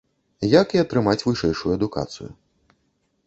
Як і атрымаць вышэйшую адукацыю.